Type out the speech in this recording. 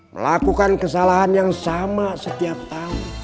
melakukan kesalahan yang sama setiap tahun